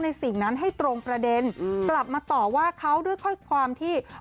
สิ่งนั้นให้ตรงประเด็นกลับมาต่อว่าเขาด้วยข้อความที่